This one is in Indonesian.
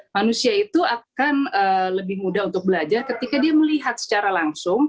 manusia itu akan lebih mudah untuk belajar ketika dia melihat secara langsung